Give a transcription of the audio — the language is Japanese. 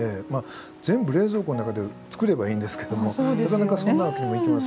全部冷蔵庫の中で造ればいいんですけどもなかなかそんなわけにもいきませんので。